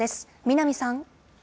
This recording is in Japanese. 南さん。